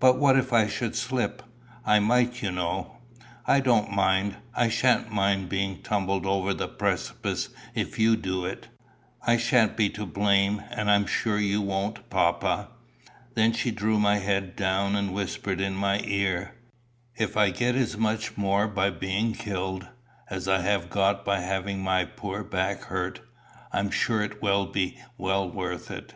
"But what if I should slip? I might, you know." "I don't mind. I sha'n't mind being tumbled over the precipice, if you do it. I sha'n't be to blame, and I'm sure you won't, papa." Then she drew my head down and whispered in my ear, "If I get as much more by being killed, as I have got by having my poor back hurt, I'm sure it will be well worth it."